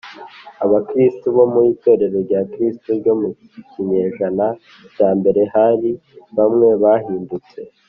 Abakirisitu bo mu Itorero rya gikristo ryo mu kinyejana cya mbere hari bamwe bahindutse